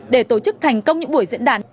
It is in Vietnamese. để tổ chức thành công những buổi diễn đàn